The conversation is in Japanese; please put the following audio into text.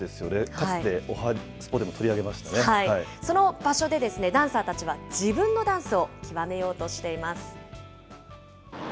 かつて、おはＳＰＯでも取り上げその場所で、ダンサーたちは自分のダンスを究めようとしています。